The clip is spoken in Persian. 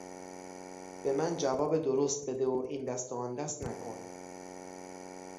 به من جواب درست بده و این دست و آن دست نکن.